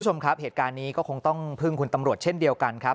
คุณผู้ชมครับเหตุการณ์นี้ก็คงต้องพึ่งคุณตำรวจเช่นเดียวกันครับ